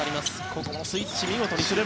ここもスイッチ、見事にする。